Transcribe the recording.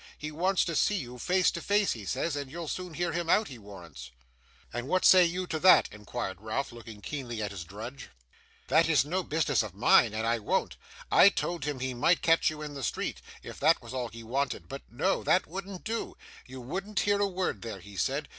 He wants to see you face to face, he says, and you'll soon hear him out, he warrants.' 'And what say you to that?' inquired Ralph, looking keenly at his drudge. 'That it's no business of mine, and I won't. I told him he might catch you in the street, if that was all he wanted, but no! that wouldn't do. You wouldn't hear a word there, he said.